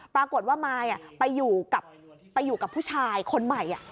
ปรากฏว่ามายไปอยู่กับผู้ชายคนใหม่